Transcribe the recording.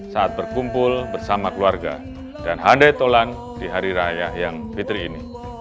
saat berkumpul bersama keluarga dan handai tolan di hari raya yang fitri ini